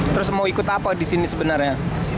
terus mau ikut apa disini sebenarnya